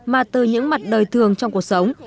mà từ những mặt đời thường trong cuộc sống